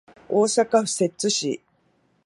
大阪府摂津市